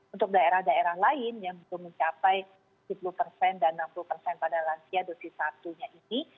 untuk daerah daerah lain yang belum mencapai tujuh puluh persen dan enam puluh persen pada lansia dosis satunya ini